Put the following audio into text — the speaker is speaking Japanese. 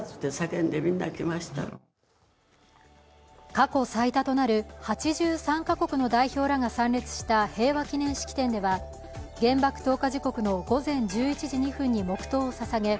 過去最多となる８３カ国の代表らが参列した平和祈念式典では原爆投下時刻の午前１１時２分に黙とうをささげ